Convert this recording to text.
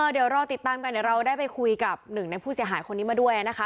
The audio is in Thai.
เดี๋ยวรอติดตามกันเดี๋ยวเราได้ไปคุยกับหนึ่งในผู้เสียหายคนนี้มาด้วยนะคะ